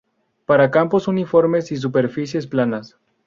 Para campos uniformes y superficies planas.